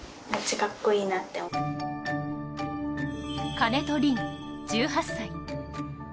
金戸凜、１８歳。